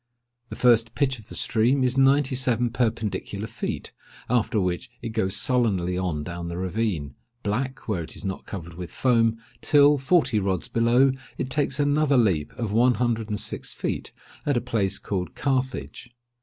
The first pitch of the stream is ninety seven perpendicular feet; after which it goes sullenly on down the ravine—black, where it is not covered with foam—till, forty rods below, it takes another leap of one hundred and six feet, at a place called Carthage.